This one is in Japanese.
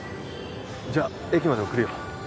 じゃあ駅まで送るよ。